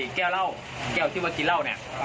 แก้วที่กินเหล้า